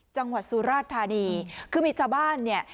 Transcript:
จังหวัดสุราธานีคือมีชาวบ้านเนี่ย